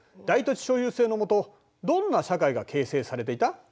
大土地所有制の下どんな社会が形成されていた？